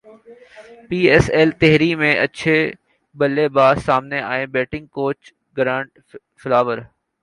پی S L three میں اچھے بلے باز سامنے ائے بیٹنگ کوچ گرانٹ فلاور